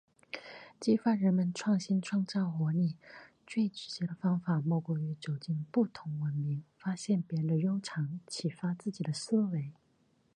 激发人们创新创造活力，最直接的方法莫过于走入不同文明，发现别人的优长，启发自己的思维。